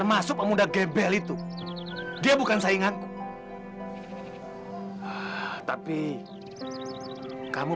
hah penakut kamu